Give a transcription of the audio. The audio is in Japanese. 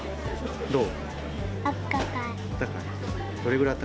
どう？